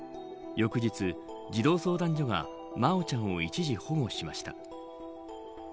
翌日、児童相談所が真愛ちゃんを一時保護しました。